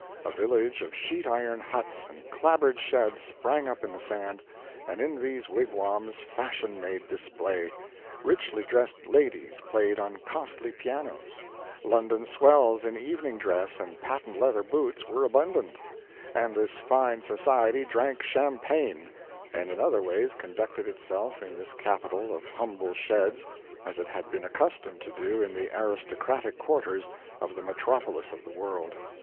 A village of sheet iron huts and clapboard sheds sprang up in the sand, and in these wigwams fashion made display; richly dressed ladies played on costly pianos, London swells in evening dress and patent leather boots were abundant, and this fine society drank champagne, and in other ways conducted itself in this capital of humble sheds as it had been accustomed to do in the aristocratic quarters of the metropolis of the world.